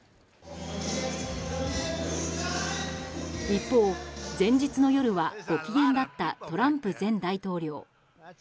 一方、前日の夜はご機嫌だったトランプ前大統領。